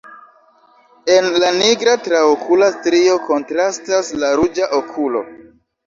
En la nigra traokula strio kontrastas la ruĝa okulo.